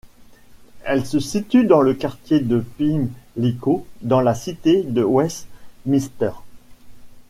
Elle se situe dans le quartier de Pimlico, dans la Cité de Westminster.